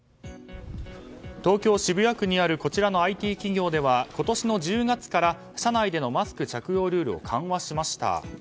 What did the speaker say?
東京・渋谷区にあるこちらのＩＴ企業では今年の１０月から社内でのマスク着用ルールを緩和しました。